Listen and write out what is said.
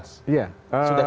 sudah clear itu pak